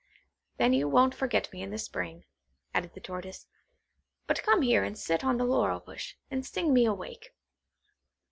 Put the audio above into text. "Then you won't forget me in the Spring," added the Tortoise; "but come here and sit on the laurel bush, and sing me awake.